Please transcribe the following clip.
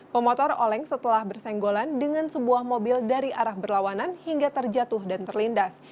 pemotor oleng setelah bersenggolan dengan sebuah mobil dari arah berlawanan hingga terjatuh dan terlindas